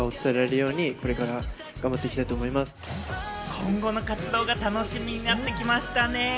今後の活動が楽しみになってきましたね。